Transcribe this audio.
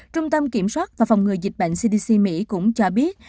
trung tâm kiểm soát và phòng ngừa dịch bệnh cdc mỹ cũng cho biết